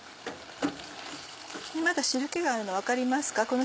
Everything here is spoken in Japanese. まだ汁気があるの分かりますか？